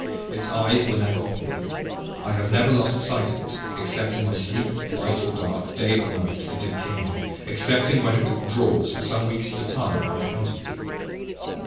Its eyes were never off me. I have never lost sight of it, except in my sleep, light or dark, day or night, since it came here, excepting when it withdraws for some weeks at a time, unaccountably.